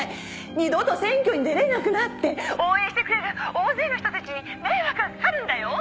二度と選挙に出れなくなって応援してくれる大勢の人達に迷惑がかかるんだよ。